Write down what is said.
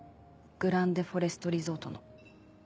グランデフォレストリゾートの。